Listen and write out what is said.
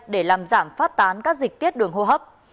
để làm giảm phát tán các dịch tiết đường hô hấp